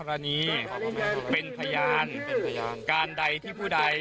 ละเวลานี้